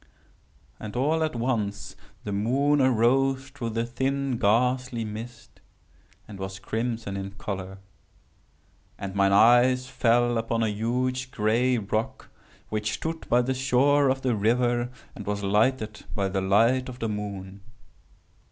"And, all at once, the moon arose through the thin ghastly mist, and was crimson in color. And mine eyes fell upon a huge gray rock which stood by the shore of the river, and was lighted by the light of the moon.